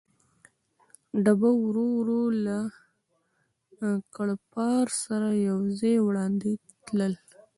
ډبه ورو ورو له کړپهار سره یو ځای وړاندې تلل.